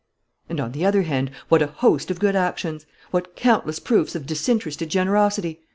"And, on the other hand, what a host of good actions! What countless proofs of disinterested generosity!